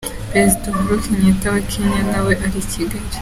Perezida Uhuru Kennyata wa Kenya, na we ari i Kigali.